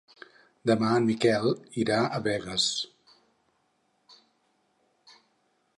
Demà en Miquel irà a Begues.